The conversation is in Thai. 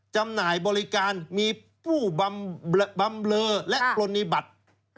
จำหน่ายบริการมีผู้บำเลอและปรณีบัติ